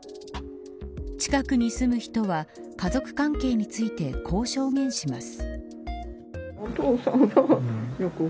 近くに住む人は家族関係についてこう証言します。